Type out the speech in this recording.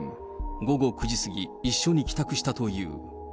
午後９時過ぎ、一緒に帰宅したという。